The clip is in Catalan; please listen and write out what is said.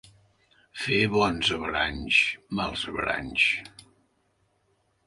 Fer bons averanys, mals averanys.